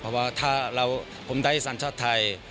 เพราะว่าถ้าผมได้สัญชาติไทย